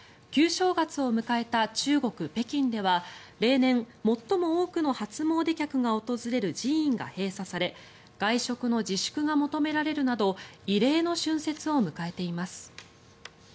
旧正月を迎えた中国・北京では例年最も多くの初詣客が訪れる寺院が閉鎖され外食の自粛が求められるなど異例の春節を迎えています。